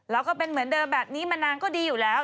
แล้วก็เป็นเหมือนเดิมแบบนี้มานานก็ดีอยู่แล้ว